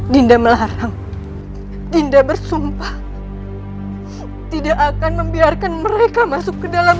dinda melarang dinda bersumpah tidak akan membiarkan mereka masuk ke dalam